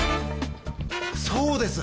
そうです！